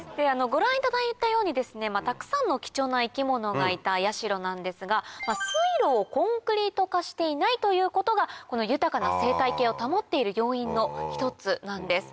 ご覧いただいたようにですねたくさんの貴重な生き物がいた八代なんですが。ということがこの豊かな生態系を保っている要因の一つなんです。